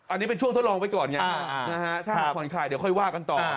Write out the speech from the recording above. อันนี้เป็นช่วงทดลองไว้ก่อนไงถ้าผ่อนคลายเดี๋ยวค่อยว่ากันต่อ